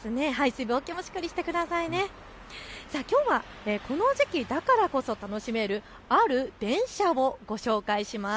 さて、きょうはこの時期だからこそ楽しめるある電車をご紹介します。